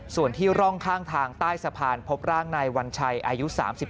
ส่วนที่ร่องข้างทางใต้สะพานพบร่างนายวัญชัยอายุ๓๓